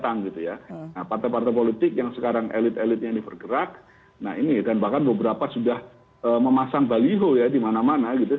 nah partai partai politik yang sekarang elit elitnya ini bergerak nah ini dan bahkan beberapa sudah memasang baliho ya di mana mana gitu